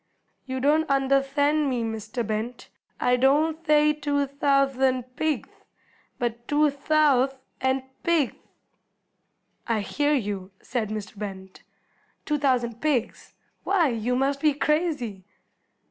"You don't underthtand me, Mr. Bent. I don't thay two thouthand pigth, but two thowth and pigth!" "I hear you," said Mr. Bent; "two thousand pigs! Why, you must be crazy."